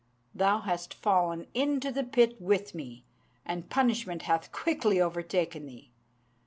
Thou hast fallen into the pit with me, and punishment hath quickly overtaken thee.